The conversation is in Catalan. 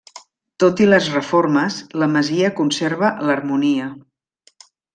Tot i les reformes la masia conserva l'harmonia.